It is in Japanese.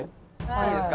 「いいですか？」